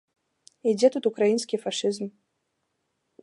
І дзе тут украінскі фашызм?